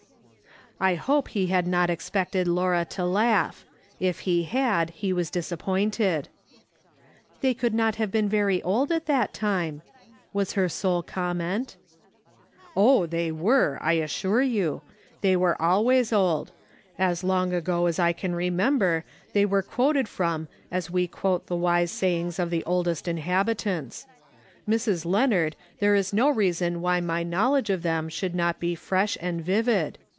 I hope he had not expected Laura to laugh ; if he had, he was disappointed. " They could not have been very old at that time," was her sole comment. "Oh, they were, I assure you; they were always *'AI^D BEHOLD, THEV WERE ENGAGED:' 261 old. As long ago as I can remember, they were quoted from as we quote the wise sayings of the oldest inhabitants. Mrs. Leonard, there is no reason why my knowledge of them should not be fresh and vivid.